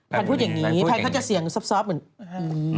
แพนพูดอย่างนี้แพนเขาจะเสียงซอฟเหมือนนี้